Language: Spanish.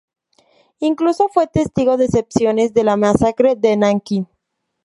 Incluso fue testigo de excepción de la Masacre de Nankín.